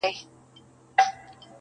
تعلیم د انسان شخصیت جوړوي.